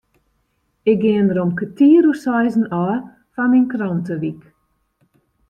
Ik gean der om kertier oer seizen ôf foar myn krantewyk.